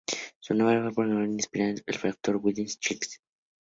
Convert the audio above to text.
Su nombre fue probablemente inspirado en el actor de westerns Chill Wills.